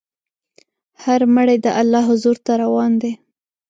هر مړی د الله حضور ته روان دی.